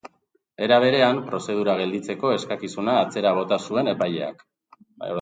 Era berean, prozedura gelditzeko eskakizuna atzera bota zuen epaileak.